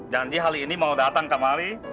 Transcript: janji hari ini mau datang kemari